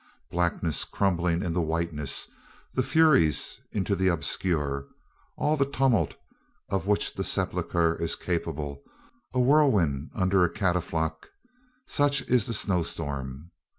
Blackness crumbling into whiteness, the furious into the obscure, all the tumult of which the sepulchre is capable, a whirlwind under a catafalque such is the snowstorm.